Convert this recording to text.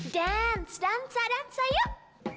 dance dansa dansa yuk